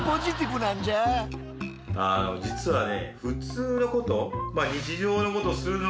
あの実はね